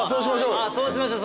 そうしましょう。